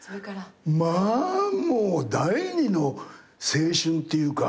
まあもう第二の青春っていうか。